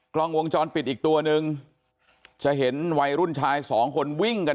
กล้องวงจรปิดอีกตัวนึงจะเห็นวัยรุ่นชายสองคนวิ่งกัน